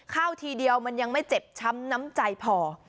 ทีเดียวมันยังไม่เจ็บช้ำน้ำใจพอ